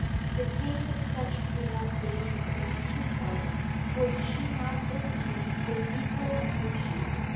The pain of such renunciation was twofold, for did she not visit him with equal affliction?